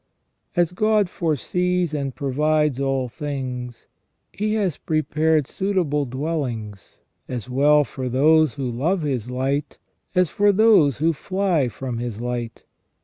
As God foresees and provides all things, He has prepared suitable dwellings as well for those who love His light as for those who fly from His light.